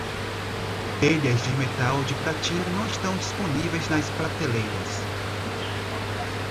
Telhas de metal de platina não estão disponíveis nas prateleiras.